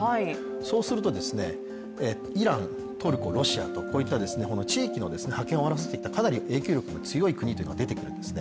そうすると、イラン、トルコ、ロシアこういった地域の覇権を争ってきたかなり影響力が強い国というのが出てくるんです。